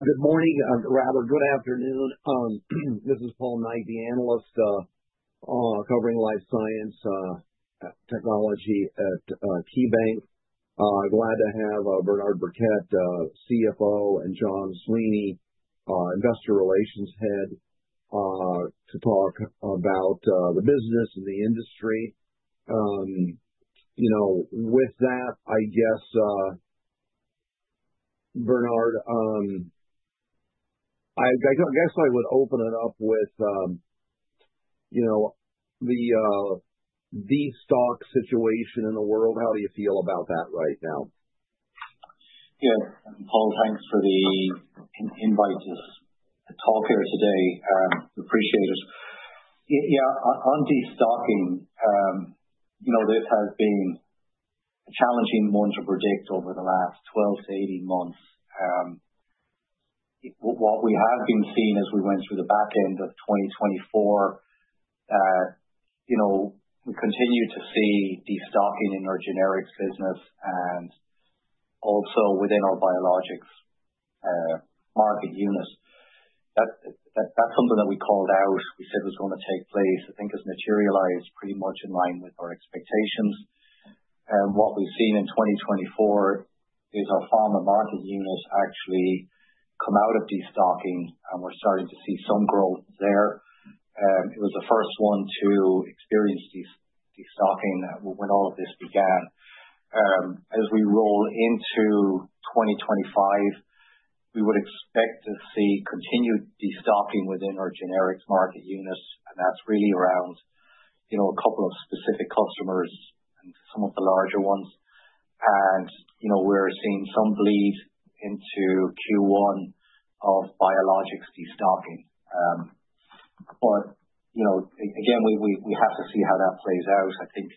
Good morning, rather good afternoon. This is Paul Knight, the analyst, covering Life Science Technology at KeyBanc. Glad to have Bernard Birkett, CFO, and John Sweeney, Investor Relations Head, to talk about the business and the industry. You know, with that, I guess, Bernard, I guess I would open it up with, you know, the stock situation in the world. How do you feel about that right now? Yeah, Paul, thanks for the invite to talk here today. Appreciate it. Yeah, on de-stocking, you know, this has been a challenging one to predict over the last 12 to 18 months. What we have been seeing as we went through the back end of 2024, you know, we continue to see de-stocking in our generics business and also within our biologics market unit. That is something that we called out. We said it was gonna take place. I think it has materialized pretty much in line with our expectations. What we have seen in 2024 is our pharma market unit actually come out of de-stocking, and we are starting to see some growth there. It was the first one to experience de-stocking when all of this began. As we roll into 2025, we would expect to see continued de-stocking within our generics market units, and that's really around, you know, a couple of specific customers and some of the larger ones. You know, we're seeing some bleed into Q1 of biologics de-stocking. Again, we have to see how that plays out. I think,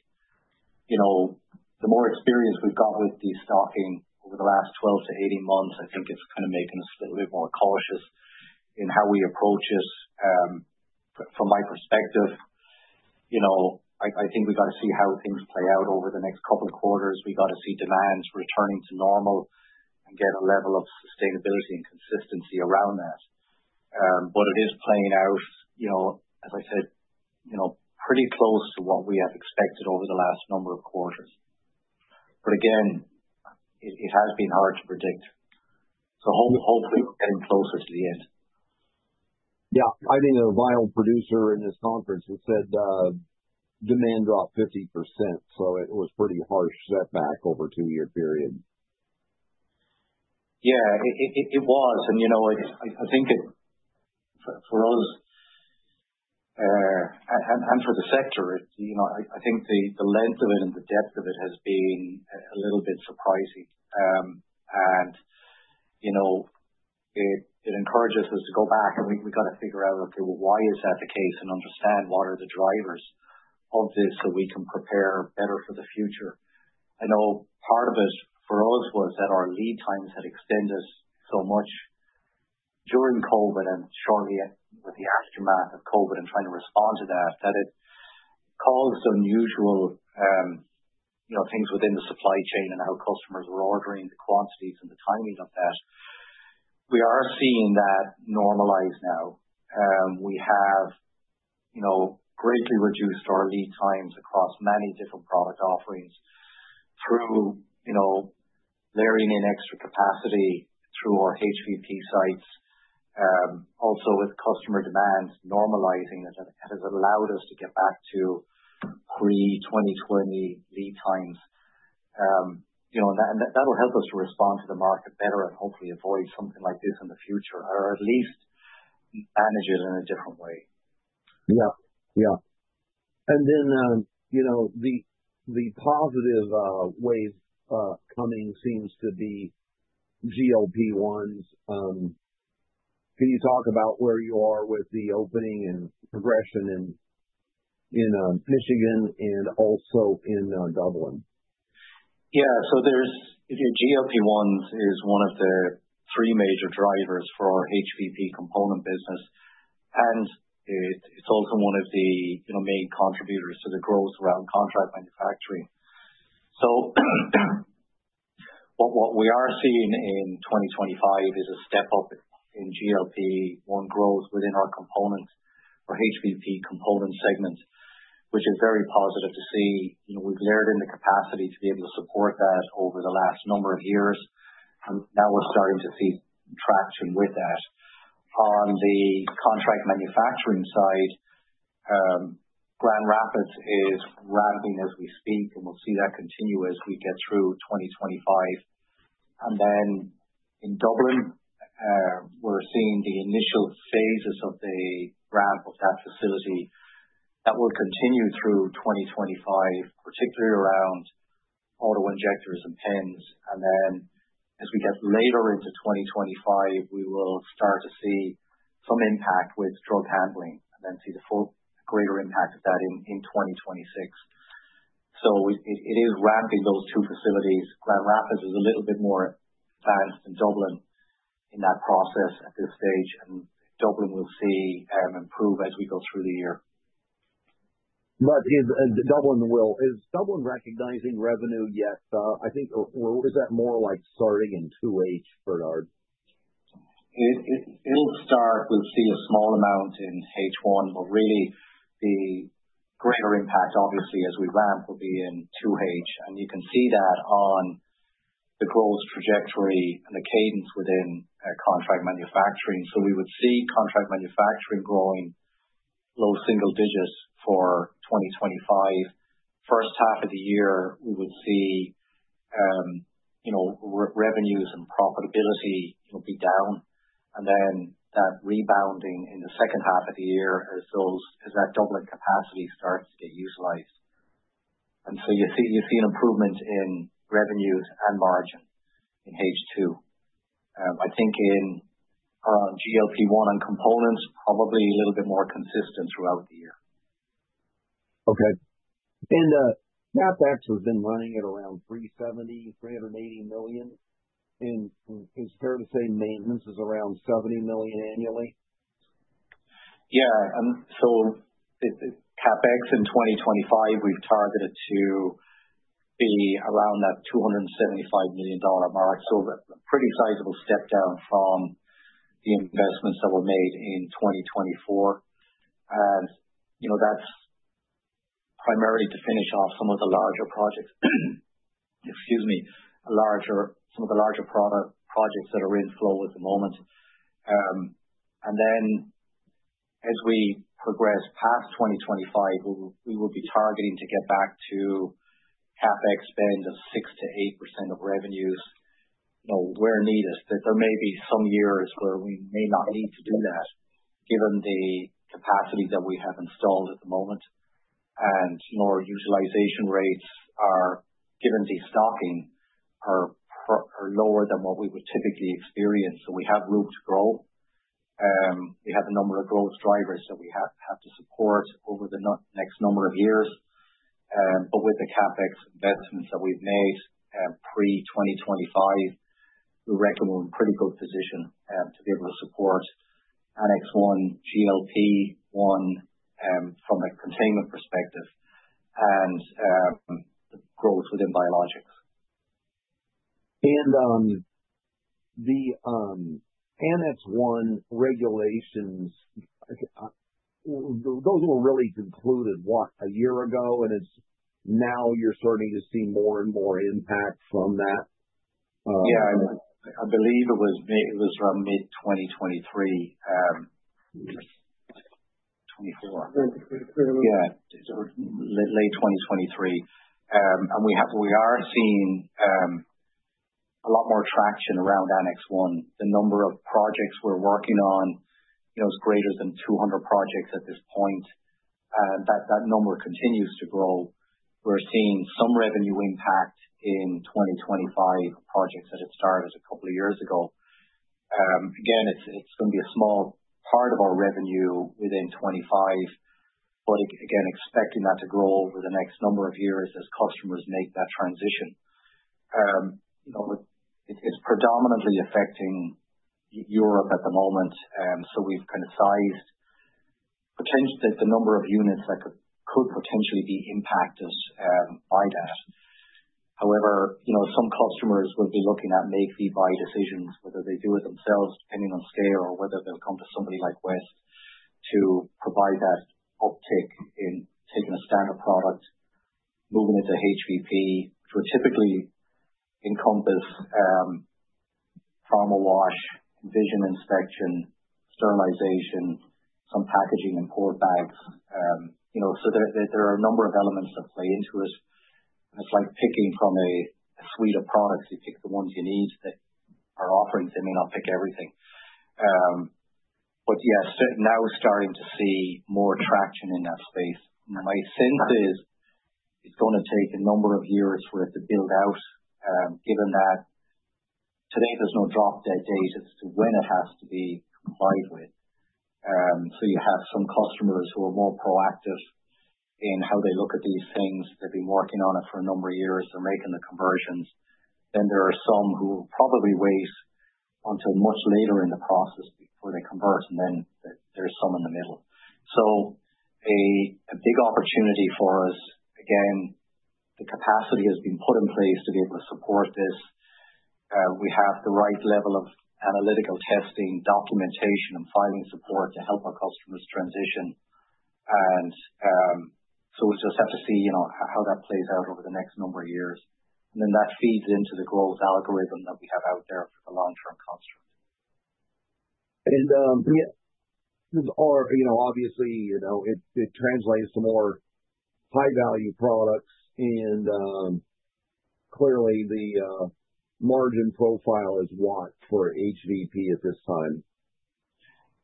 you know, the more experience we've got with de-stocking over the last 12 to 18 months, I think it's kind of making us a little bit more cautious in how we approach this. From my perspective, you know, I think we gotta see how things play out over the next couple of quarters. We gotta see demands returning to normal and get a level of sustainability and consistency around that. But it is playing out, you know, as I said, you know, pretty close to what we have expected over the last number of quarters. Again, it has been hard to predict. Hopefully, we're getting closer to the end. Yeah. I mean, the vial producer in this conference had said, demand dropped 50%, so it was a pretty harsh setback over a two-year period. Yeah, it was. You know, I think it for us, and for the sector, it, you know, I think the length of it and the depth of it has been a little bit surprising. You know, it encourages us to go back, and we gotta figure out, okay, why is that the case and understand what are the drivers of this so we can prepare better for the future. I know part of it for us was that our lead times had extended so much during COVID and shortly with the aftermath of COVID and trying to respond to that, that it caused unusual things within the supply chain and how customers were ordering, the quantities and the timing of that. We are seeing that normalize now. We have, you know, greatly reduced our lead times across many different product offerings through, you know, layering in extra capacity through our HVP sites. Also with customer demand normalizing, it has, it has allowed us to get back to pre-2020 lead times. You know, and that, and that, that'll help us to respond to the market better and hopefully avoid something like this in the future or at least manage it in a different way. Yeah. Yeah. You know, the positive wave coming seems to be GLP-1s. Can you talk about where you are with the opening and progression in Michigan and also in Dublin? Yeah. There is the GLP-1s is one of the three major drivers for our HVP component business. And it, it's also one of the, you know, main contributors to the growth around contract manufacturing. What we are seeing in 2025 is a step up in GLP-1 growth within our component or HVP component segment, which is very positive to see. You know, we've layered in the capacity to be able to support that over the last number of years, and now we're starting to see traction with that. On the contract manufacturing side, Grand Rapids is ramping as we speak, and we'll see that continue as we get through 2025. In Dublin, we're seeing the initial phases of the ramp of that facility that will continue through 2025, particularly around auto injectors and pens. As we get later into 2025, we will start to see some impact with drug handling and then see the full greater impact of that in 2026. It is ramping those two facilities. Grand Rapids is a little bit more advanced than Dublin in that process at this stage. Dublin will see improvement as we go through the year. Is Dublin recognizing revenue yet? I think, or is that more like starting in 2H, Bernard? It'll start. We'll see a small amount in H1, but really the greater impact, obviously, as we ramp, will be in 2H. You can see that on the growth trajectory and the cadence within contract manufacturing. We would see contract manufacturing growing low single digits for 2025. First half of the year, we would see, you know, revenues and profitability, you know, be down. That rebounding in the second half of the year as that Dublin capacity starts to get utilized. You see an improvement in revenues and margin in H2. I think in around GLP-1 and components, probably a little bit more consistent throughout the year. Okay. CapEx has been running at around $370 million-$380 million. Is it fair to say maintenance is around $70 million annually? Yeah. The CapEx in 2025, we've targeted to be around that $275 million mark. A pretty sizable step down from the investments that were made in 2024. You know, that's primarily to finish off some of the larger projects—excuse me—some of the larger product projects that are in flow at the moment. As we progress past 2025, we will be targeting to get back to CapEx spend of 6-8% of revenues, you know, where needed. There may be some years where we may not need to do that given the capacity that we have installed at the moment. You know, our utilization rates, given de-stocking, are lower than what we would typically experience. We have room to grow. We have a number of growth drivers that we have to support over the next number of years. With the CapEx investments that we've made, pre-2025, we reckon we're in a pretty good position to be able to support Annex 1, GLP-1, from a containment perspective and the growth within biologics. The Annex 1 regulations, those were really concluded, what, a year ago, and it's now you're starting to see more and more impact from that. Yeah. I mean, I believe it was around mid-2023, 2024. 2023. Yeah. Late 2023, and we are seeing a lot more traction around Annex 1. The number of projects we're working on, you know, is greater than 200 projects at this point. That number continues to grow. We're seeing some revenue impact in 2025 projects that had started a couple of years ago. Again, it's gonna be a small part of our revenue within 2025, but again, expecting that to grow over the next number of years as customers make that transition. You know, it's predominantly affecting Europe at the moment. So we've kinda sized the number of units that could potentially be impacted by that. However, you know, some customers will be looking at make-or-buy decisions, whether they do it themselves depending on scale or whether they'll come to somebody like West to provide that uptick in taking a standard product, moving it to HVP, which would typically encompass pharma wash, vision inspection, sterilization, some packaging in port bags. You know, there are a number of elements that play into it. It's like picking from a suite of products. You pick the ones you need that are offerings. They may not pick everything. Yes, now starting to see more traction in that space. My sense is it's gonna take a number of years for it to build out, given that today there's no drop-dead date as to when it has to be complied with. You have some customers who are more proactive in how they look at these things. They've been working on it for a number of years. They're making the conversions. There are some who will probably wait until much later in the process before they convert, and then there's some in the middle. A big opportunity for us. The capacity has been put in place to be able to support this. We have the right level of analytical testing, documentation, and filing support to help our customers transition. We'll just have to see, you know, how that plays out over the next number of years. That feeds into the growth algorithm that we have out there for the long-term construct. You are, you know, obviously, you know, it translates to more high-value products. Clearly, the margin profile is what for HVP at this time?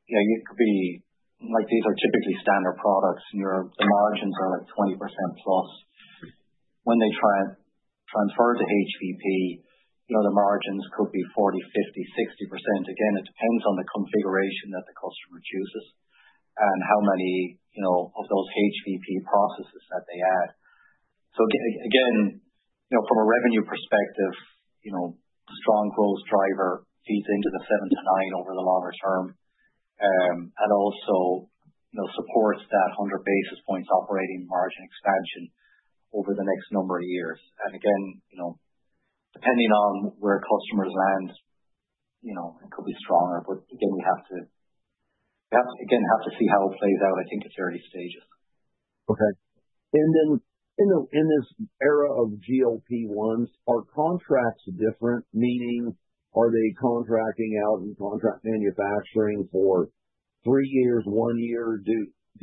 Yeah. It could be like these are typically standard products. You know, the margins are like 20% plus. When they try and transfer to HVP, you know, the margins could be 40%, 50%, 60%. Again, it depends on the configuration that the customer chooses and how many, you know, of those HVP processes that they add. Again, you know, from a revenue perspective, you know, strong growth driver feeds into the 7-9 over the longer term, and also, you know, supports that 100 basis points operating margin expansion over the next number of years. Again, you know, depending on where customers land, you know, it could be stronger. We have to see how it plays out. I think it's early stages. Okay. In this era of GLP-1s, are contracts different? Meaning, are they contracting out and contract manufacturing for three years, one year? Do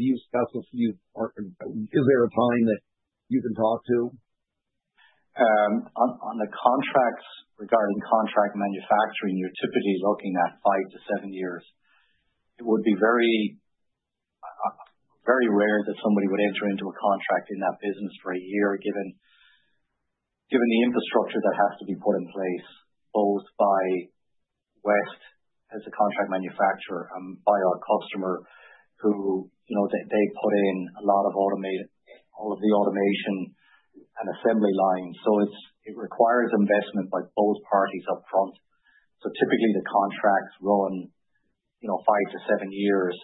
you specify, is there a time that you can talk to? On the contracts regarding contract manufacturing, you're typically looking at five to seven years. It would be very, very rare that somebody would enter into a contract in that business for a year given the infrastructure that has to be put in place both by West as a contract manufacturer and by our customer who, you know, they put in a lot of all of the automation and assembly lines. It requires investment by both parties upfront. Typically, the contracts run five to seven years.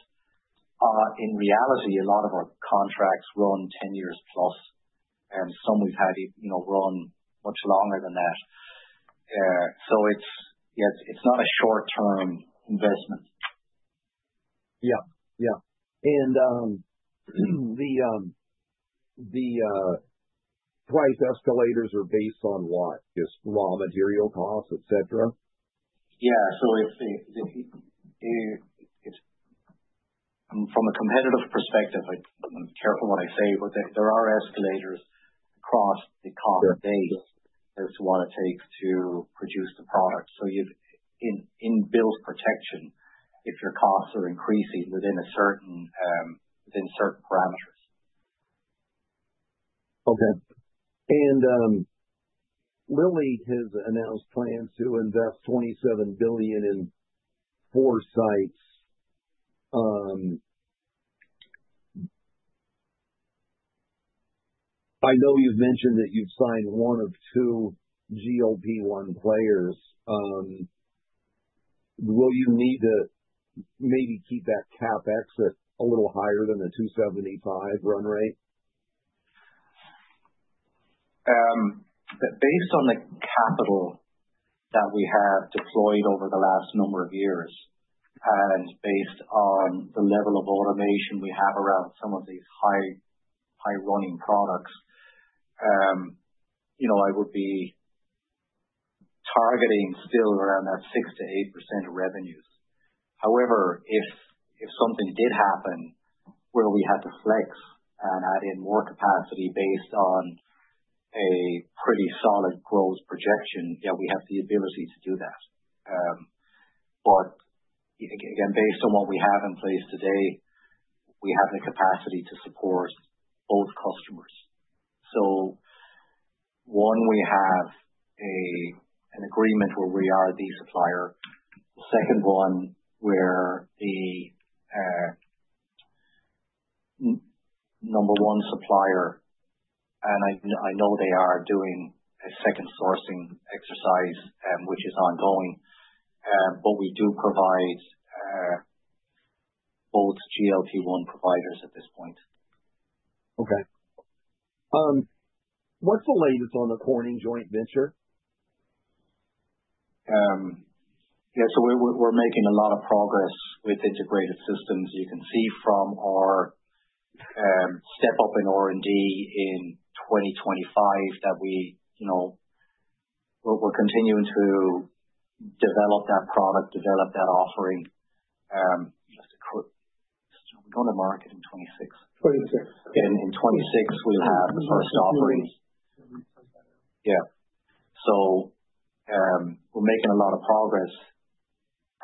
In reality, a lot of our contracts run 10 years plus. And some we've had run much longer than that. It's not a short-term investment. Yeah. Yeah. The price escalators are based on what? Just raw material costs, etc.? Yeah. If it's from a competitive perspective, I'm careful what I say, but there are escalators across the cost base as to what it takes to produce the product. So you have in-build protection if your costs are increasing within certain parameters. Okay. Lilly has announced plans to invest $27 billion in four sites. I know you've mentioned that you've signed one of two GLP-1 players. Will you need to maybe keep that CapEx at a little higher than the $275 million run rate? Based on the capital that we have deployed over the last number of years and based on the level of automation we have around some of these high, high-running products, you know, I would be targeting still around that 6-8% of revenues. However, if something did happen where we had to flex and add in more capacity based on a pretty solid growth projection, yeah, we have the ability to do that. Again, based on what we have in place today, we have the capacity to support both customers. So one, we have an agreement where we are the supplier. The second one where the number one supplier and I know they are doing a second sourcing exercise, which is ongoing. We do provide both GLP-1 providers at this point. Okay. What's the latest on the Corning joint venture? Yeah. We're making a lot of progress with integrated systems. You can see from our step up in R&D in 2025 that we, you know, we're continuing to develop that product, develop that offering. You have to quit, we're going to market in 2026. '26. In '26, we'll have the first offering. '26. Yeah. We're making a lot of progress.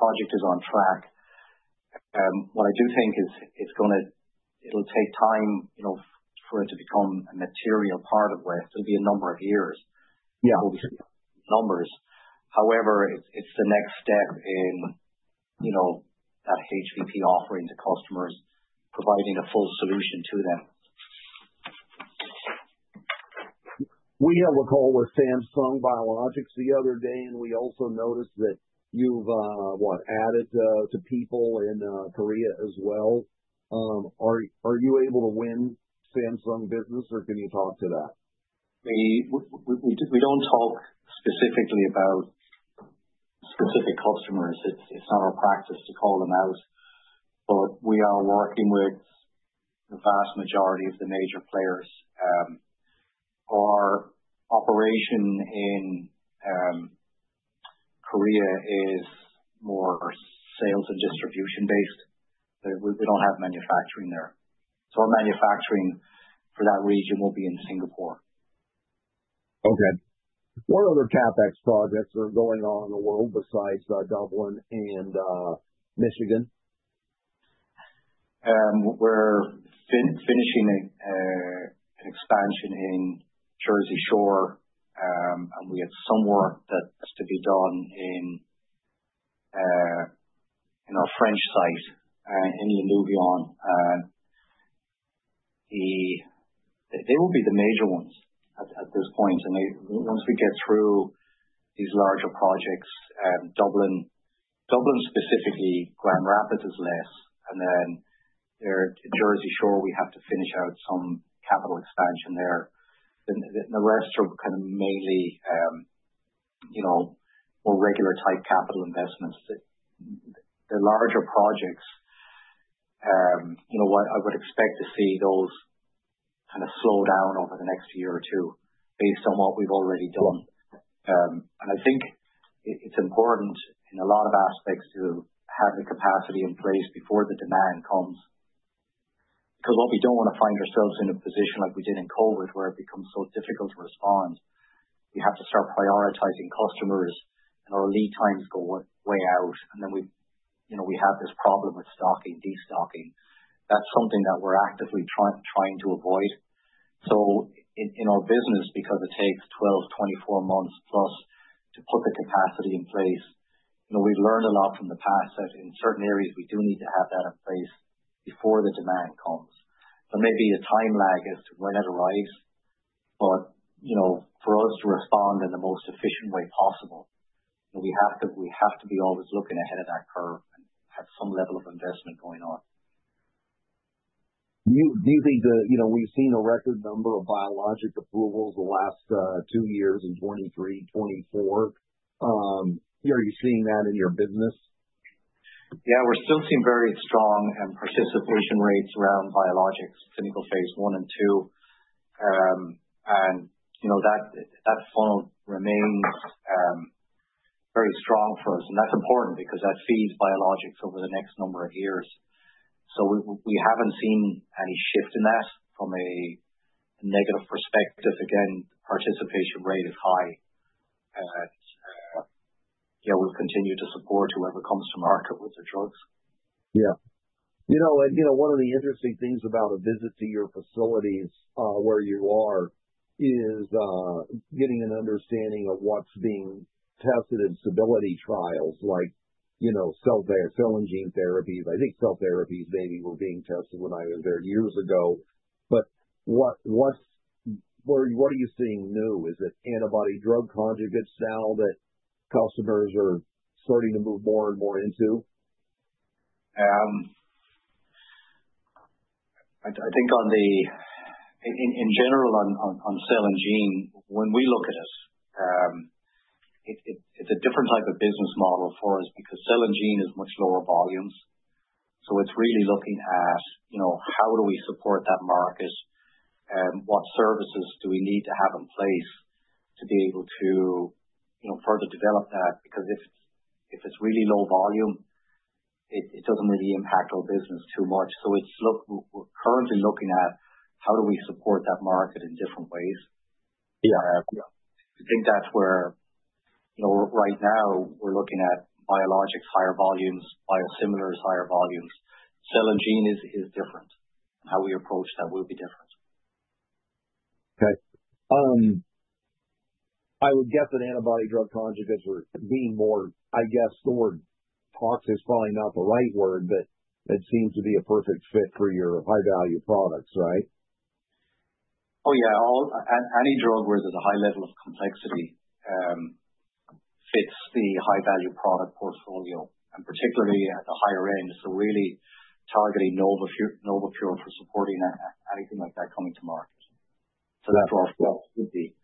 Project is on track. What I do think is it's gonna take time, you know, for it to become a material part of West. It'll be a number of years. Yeah. Before we see numbers. However, it's the next step in, you know, that HVP offering to customers, providing a full solution to them. We have a call with Samsung Biologics the other day, and we also noticed that you've, what, added, to people in Korea as well. Are you able to win Samsung business, or can you talk to that? We don't talk specifically about specific customers. It's not our practice to call them out. But we are working with the vast majority of the major players. Our operation in Korea is more sales and distribution based. We don't have manufacturing there. So our manufacturing for that region will be in Singapore. Okay. What other CapEx projects are going on in the world besides Dublin and Michigan? We're finishing an expansion in Jersey Shore. We have some work that has to be done in our French site, in Louvain-la-Neuve. They will be the major ones at this point. Once we get through these larger projects, Dublin specifically, Grand Rapids is less. There in Jersey Shore, we have to finish out some capital expansion there. The rest are kind of mainly, you know, more regular type capital investments. The larger projects, you know, I would expect to see those kind of slow down over the next year or two based on what we've already done. I think it's important in a lot of aspects to have the capacity in place before the demand comes because what we don't want to find ourselves in a position like we did in COVID where it becomes so difficult to respond. We have to start prioritizing customers, and our lead times go way out. You know, we have this problem with stocking, destocking. That's something that we're actively trying to avoid. In our business, because it takes 12-24 months plus to put the capacity in place, we've learned a lot from the past that in certain areas, we do need to have that in place before the demand comes. There may be a time lag as to when it arrives. You know, for us to respond in the most efficient way possible, you know, we have to be always looking ahead of that curve and have some level of investment going on. You think the, you know, we've seen a record number of biologic approvals the last two years in 2023, 2024. Are you seeing that in your business? Yeah. We're still seeing very strong participation rates around biologics, clinical phase one and two, and, you know, that funnel remains very strong for us. And that's important because that feeds biologics over the next number of years. We haven't seen any shift in that from a negative perspective. Again, the participation rate is high. Yeah, we'll continue to support whoever comes to market with the drugs. Yeah. You know, and, you know, one of the interesting things about a visit to your facilities, where you are, is getting an understanding of what's being tested in stability trials like, you know, cell and gene therapies. I think cell therapies maybe were being tested when I was there years ago. What are you seeing new? Is it antibody drug conjugates now that customers are starting to move more and more into? I think in general, on cell and gene, when we look at it, it's a different type of business model for us because cell and gene is much lower volumes. So it's really looking at, you know, how do we support that market? What services do we need to have in place to be able to, you know, further develop that? Because if it's really low volume, it doesn't really impact our business too much. We're currently looking at how do we support that market in different ways. Yeah. I think that's where, you know, right now, we're looking at biologics, higher volumes, biosimilars, higher volumes. Cell and gene is different. And how we approach that will be different. Okay. I would guess that antibody drug conjugates were being more, I guess, stored. Tox is probably not the right word, but it seems to be a perfect fit for your high-value products, right? Oh, yeah. Any drug where there's a high level of complexity fits the high-value product portfolio, and particularly at the higher end. Really targeting NovaPure, NovaPure for supporting anything like that coming to market. That's where our focus would be.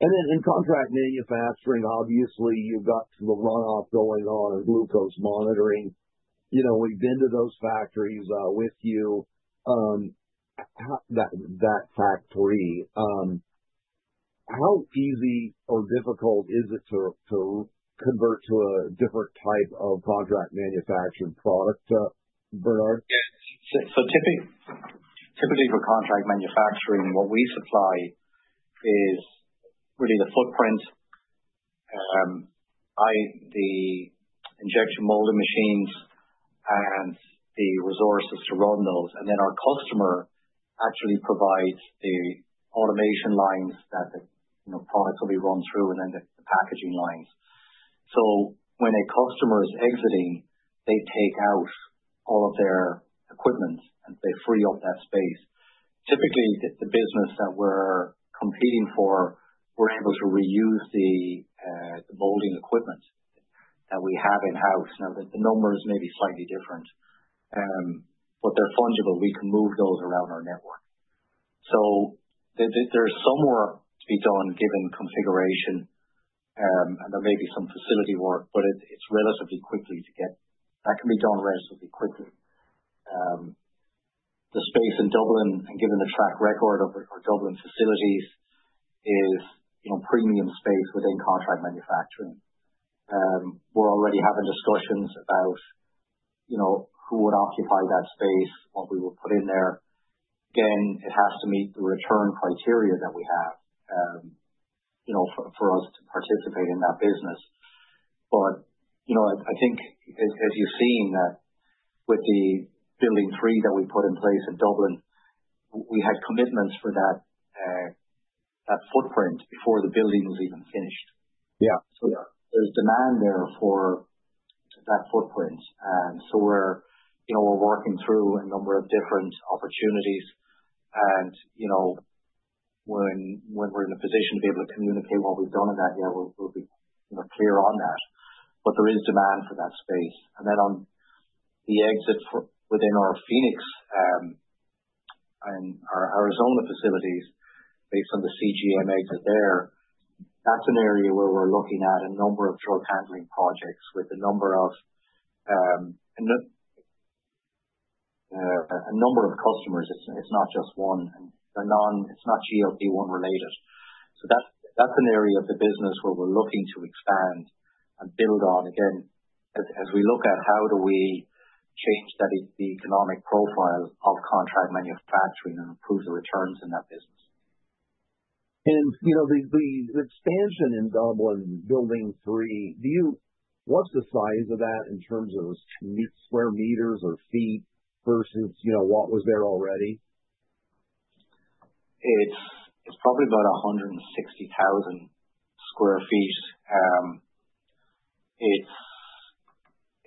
In contract manufacturing, obviously, you've got the runoff going on in glucose monitoring. You know, we've been to those factories, with you. How that, that factory, how easy or difficult is it to, to convert to a different type of contract manufactured product, Bernard? Yeah. So typically for contract manufacturing, what we supply is really the footprint, the injection molding machines and the resources to run those. And then our customer actually provides the automation lines that the, you know, products will be run through and then the packaging lines. When a customer is exiting, they take out all of their equipment and they free up that space. Typically, the business that we're competing for, we're able to reuse the molding equipment that we have in-house. Now, the number is maybe slightly different, but they're fungible. We can move those around our network. There's some work to be done given configuration, and there may be some facility work, but it's relatively quickly to get that can be done relatively quickly. The space in Dublin and given the track record of our, our Dublin facilities is, you know, premium space within contract manufacturing. We're already having discussions about, you know, who would occupy that space, what we would put in there. Again, it has to meet the return criteria that we have, you know, for, for us to participate in that business. You know, I, I think as, as you've seen that with the building three that we put in place in Dublin, we had commitments for that, that footprint before the building was even finished. Yeah. There is demand there for that footprint. We are working through a number of different opportunities. When we are in a position to be able to communicate what we have done in that year, we will be clear on that. There is demand for that space. On the exit within our Phoenix and our Arizona facilities based on the CGM exit there, that is an area where we are looking at a number of drug handling projects with a number of customers. It is not just one. They are not GLP-1 related. That is an area of the business where we are looking to expand and build on. Again, as we look at how we change the economic profile of contract manufacturing and improve the returns in that business. You know, the expansion in Dublin building three, do you, what's the size of that in terms of square meters or feet versus, you know, what was there already? It's probably about 160,000 sq ft.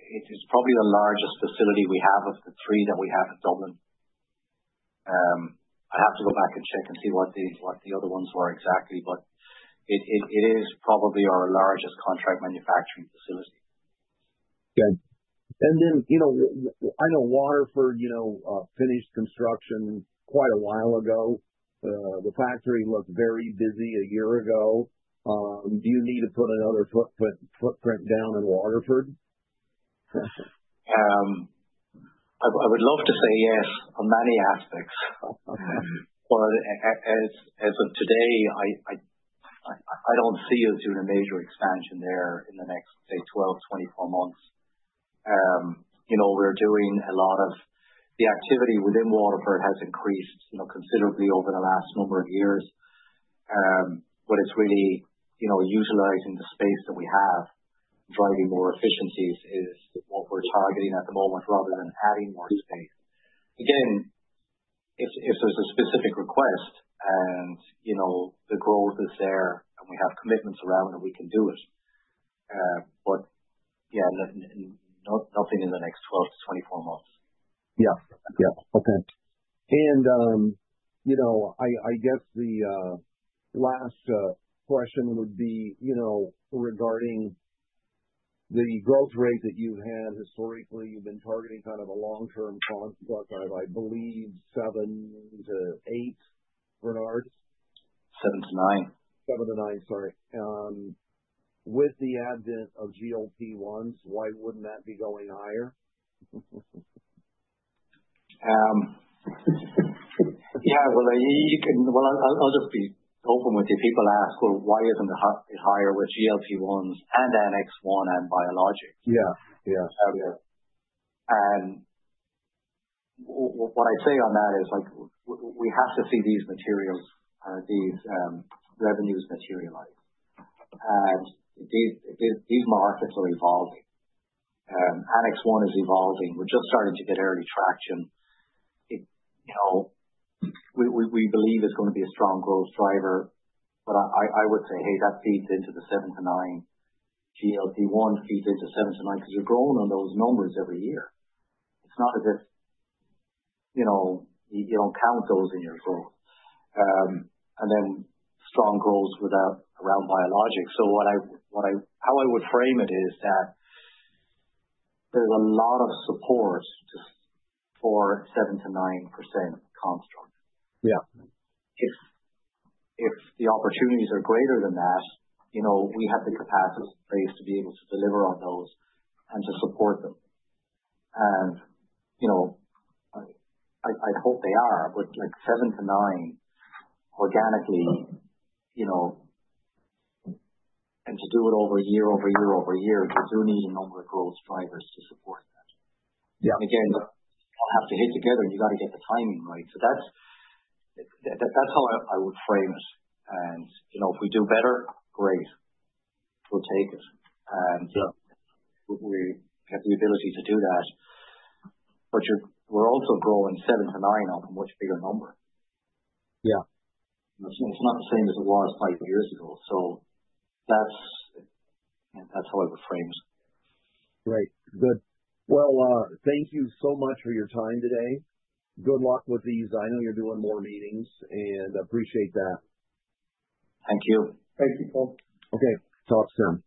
It's probably the largest facility we have of the three that we have at Dublin. I'd have to go back and check and see what the other ones were exactly. But it is probably our largest contract manufacturing facility. Okay. And then, you know, I know Waterford, you know, finished construction quite a while ago. The factory looked very busy a year ago. Do you need to put another footprint, footprint down in Waterford? I would love to say yes on many aspects. As of today, I don't see us doing a major expansion there in the next, say, 12-24 months. You know, we're doing a lot of the activity within Waterford has increased, you know, considerably over the last number of years. It's really, you know, utilizing the space that we have, driving more efficiencies is what we're targeting at the moment rather than adding more space. Again, if there's a specific request and, you know, the growth is there and we have commitments around it, we can do it. Yeah, nothing in the next 12-24 months. Yeah. Yeah. Okay. You know, I guess the last question would be, you know, regarding the growth rate that you've had historically. You've been targeting kind of a long-term on, I believe, seven to eight, Bernard? Seven to nine. Seven to nine. Sorry. With the advent of GLP-1s, why wouldn't that be going higher? Yeah. You can, I'll just be open with you. People ask, why isn't the higher with GLP-1s and Annex 1 and biologics? Yeah. Yeah. What I'd say on that is, like, we have to see these materials, these revenues materialize. And these markets are evolving. Annex 1 is evolving. We're just starting to get early traction. You know, we believe it's going to be a strong growth driver. I would say, hey, that feeds into the 7-9. GLP-1 feeds into 7-9 because you're growing on those numbers every year. It's not as if you don't count those in your growth. And then strong growth with around biologics. What I would frame it is that there's a lot of support just for 7%-9% construct. Yeah. If the opportunities are greater than that, you know, we have the capacity in place to be able to deliver on those and to support them. You know, I'd hope they are. Like, seven to nine, organically, you know, and to do it over a year, over a year, over a year, you do need a number of growth drivers to support that. Yeah. They all have to hit together, and you got to get the timing right. That is how I would frame it. You know, if we do better, great. We'll take it. Yeah. We have the ability to do that. You're also growing seven to nine up a much bigger number. Yeah. It's not the same as it was five years ago. That's how I would frame it. Great. Good. Thank you so much for your time today. Good luck with these. I know you're doing more meetings, and I appreciate that. Thank you. Thank you, Paul. Okay. Talk soon.